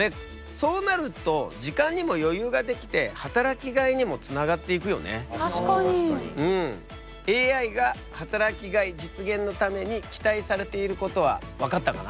そうなると確かに。ＡＩが働きがい実現のために期待されていることは分かったかな？